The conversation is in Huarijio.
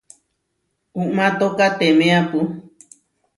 Uʼmátokatemeapu.